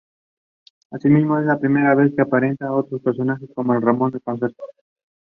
Princeton tied for fourth in the Ivy League.